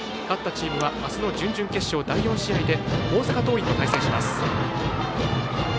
勝ったチームは、あすの準々決勝第４試合で大阪桐蔭と対戦します。